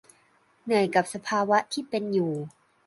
เหนื่อยกับสภาวะที่เป็นอยู่